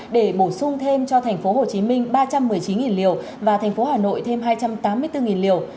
để bổ sung thêm cho tp hcm ba trăm một mươi chín liều và tp hcm thêm hai trăm tám mươi bốn liều